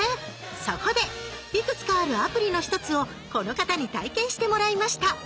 そこでいくつかあるアプリの１つをこの方に体験してもらいました！